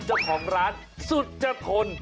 เจ้าของร้านสุจทน